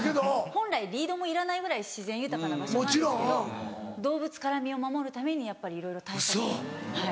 本来リードもいらないぐらい自然豊かな場所なんですけど動物から身を守るためにやっぱりいろいろ対策をはい。